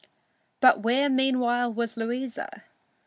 But where, meanwhile, was Louisa?